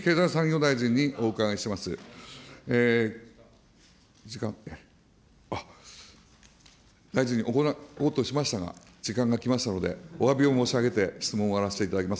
大臣、伺おうとしましたが、時間が来ましたので、おわびを申し上げて質問を終わらせていただきます。